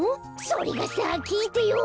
それがさきいてよ。